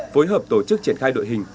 phối hợp tổ chức triển khai đội hình